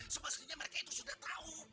sebenarnya mereka itu sudah tau